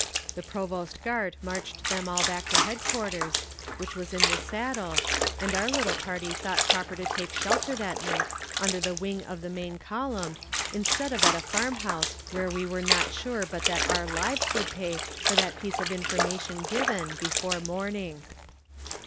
The provost guard marched them all back to headquarters, which was in the saddle, and our little party thought proper to take shelter that night under the wing of the main column, instead of at a farm house where we were not sure but that our lives would pay for that piece of information given, before morning.